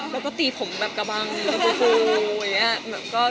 แล้วก็ตีผมแบบกระบังฟูอย่างนี้